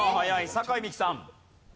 酒井美紀さん。